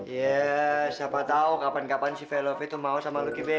ya siapa tahu kapan kapan si velovi tuh mau sama luki be